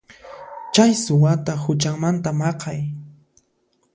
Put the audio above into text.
Chay suwata huchanmanta maqay.